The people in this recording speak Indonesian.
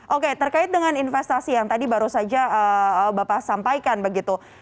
oke terkait dengan investasi yang tadi baru saja bapak sampaikan begitu